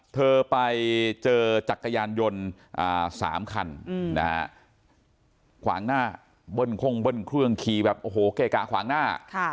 เธอไปเจอจักรยานยนต์๓คันนะฮะขวางหน้าเบิ้ลคงเบิ้ลเครื่องขี่แบบโอ้โหเกะกะขวางหน้า